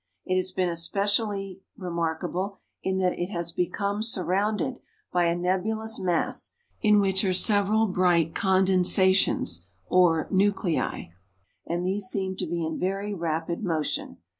It has been especially remarkable in that it has become surrounded by a nebulous mass in which are several bright condensations or nuclei; and these seem to be in very rapid motion.